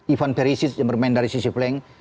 ivan perisic yang bermain dari sisi flank